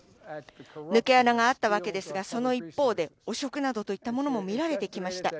抜け穴があったわけですが、その一方で汚職などというものも見られてきました。